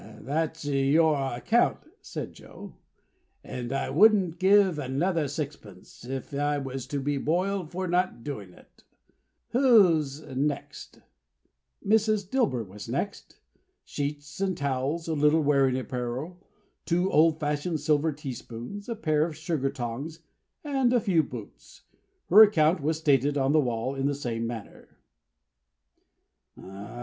"That's your account," said Joe, "and I wouldn't give another sixpence, if I was to be boiled for not doing it. Who's next?" Mrs. Dilber was next. Sheets and towels, a little wearing apparel, two old fashioned silver teaspoons, a pair of sugar tongs, and a few boots. Her account was stated on the wall in the same manner.